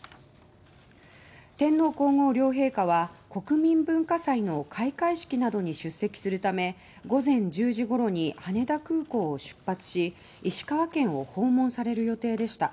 天皇・皇后両陛下は国民文化祭の開会式などに出席するため午前１０時ごろに羽田空港を出発し石川県を訪問される予定でした。